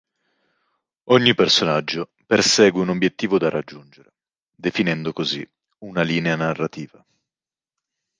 Ogni personaggio persegue un obiettivo da raggiungere, definendo così una linea narrativa.